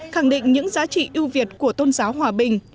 khẳng định những giá trị ưu việt của tôn giáo hòa bình